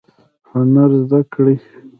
هنر زده کړئ